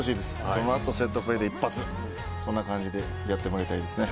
その後セットプレーで一発そんな感じでやってもらいたいですね。